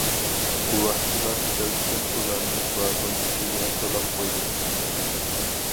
گۇۋاھچىلار سىرتتىن ئۇلارنى ۋاگون ئىچىگە سولاپ قويدى.